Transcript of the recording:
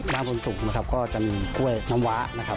ด้านบนสุกนะครับก็จะมีกล้วยน้ำว้านะครับ